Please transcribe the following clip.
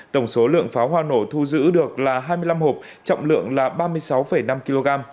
tổng số lượng pháo hoa nổ thu giữ được là hai mươi năm hộp trọng lượng là ba mươi sáu năm kg